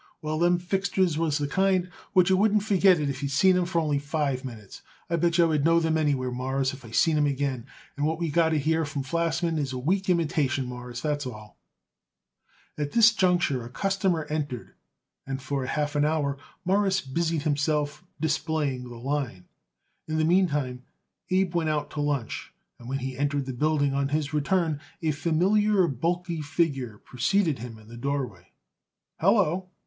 "Well, them fixtures was the kind what you wouldn't forget it if you seen 'em for only five minutes. I bet yer I would know them anywhere, Mawruss, if I seen them again, and what we got it here from Flachsman is a weak imitation, Mawruss. That's all." At this juncture a customer entered, and for half an hour Morris busied himself displaying the line. In the meantime Abe went out to lunch, and when he entered the building on his return a familiar, bulky figure preceded him into the doorway. "Hallo!"